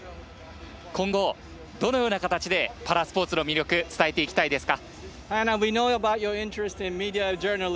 今後、どのような形でパラスポーツの魅力を伝えていきたいですか？